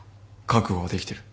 覚悟はできてる。